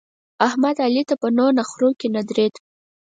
احمد؛ علي ته په نو نخرو کې نه درېد.